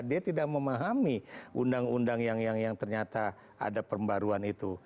dia tidak memahami undang undang yang ternyata ada pembaruan itu